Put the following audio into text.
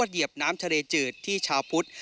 เหยียบน้ำทะเลจืดที่ชาวพุทธ